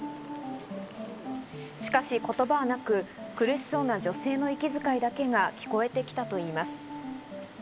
しかし言葉はなく、苦しそうな女性の息づかいだけが聞こえてきたといいます。